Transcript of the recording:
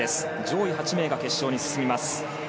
上位８名が決勝に進みます。